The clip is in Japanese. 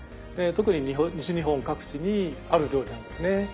特に西日本各地にある料理なんですね。